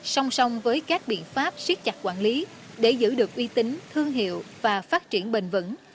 song song với các biện pháp siết chặt quản lý để giữ được uy tín thương hiệu và phát triển bền vững